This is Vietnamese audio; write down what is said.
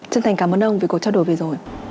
chân thành cảm ơn ông vì cuộc trao đổi vừa rồi